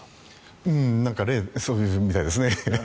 そういうみたいですね。